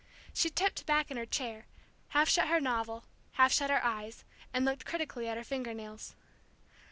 She tipped back in her chair, half shut her novel, half shut her eyes, and looked critically at her finger nails.